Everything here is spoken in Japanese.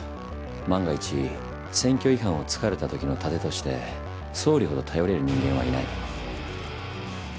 万が一選挙違反を突かれたときの盾として総理ほど頼れる人間はいない。